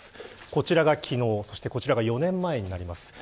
こちらが昨日、そしてこちらが４年前になります。